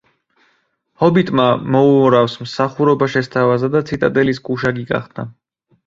ჰობიტმა მოურავს მსახურობა შესთავაზა და ციტადელის გუშაგი გახდა.